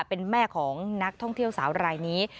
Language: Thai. เป็นแม่ของนักท่องเที่ยวสาวรายนี้